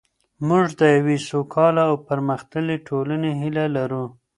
موږ د یوې سوکاله او پرمختللې ټولنې هیله لرو.